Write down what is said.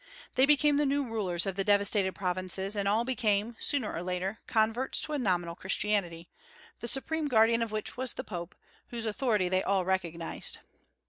They became the new rulers of the devastated provinces; and all became, sooner or later, converts to a nominal Christianity, the supreme guardian of which was the Pope, whose authority they all recognized.